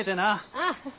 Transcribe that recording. ああ。